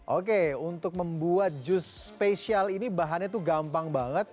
oke untuk membuat jus spesial ini bahannya tuh gampang banget